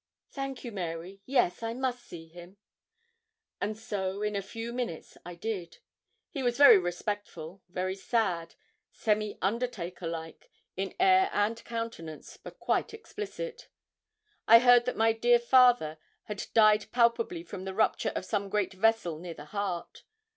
'Thank you, Mary; yes, I must see him.' And so, in a few minutes, I did. He was very respectful, very sad, semi undertakerlike, in air and countenance, but quite explicit. I heard that my dear father 'had died palpably from the rupture of some great vessel near the heart.'